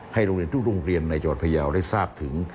โรงเรียนทุกโรงเรียนในจังหวัดพยาวได้ทราบถึง